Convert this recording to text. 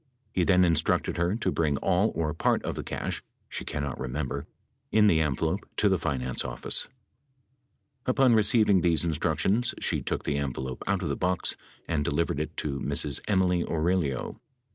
He then instructed her to bring all or part of the cash (she cannot remember) in the envelope to the finance office. Upon receiving these instructions, she took the envelope out, of the box and delivered it to Ms. Emily Aurelio.